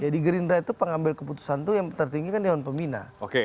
di gerindra itu pengambil keputusan itu yang tertinggi kan dewan pembina